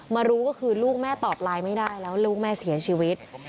รู้ก็คือลูกแม่ตอบไลน์ไม่ได้แล้วลูกแม่เสียชีวิต